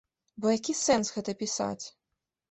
Бо які сэнс гэта пісаць?